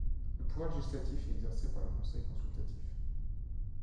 Le pouvoir législatif est exercé par le Conseil consultatif.